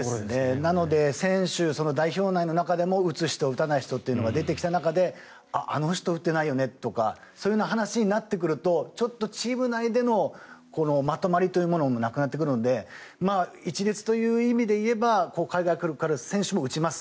なので、代表内の中でも打つ人、打たない人が出てきた中であの人、打ってないよねとかそういう話になってくるとちょっとチーム内でのまとまりというのもなくなってくるので一律という意味でいえば海外から来る選手も打ちます。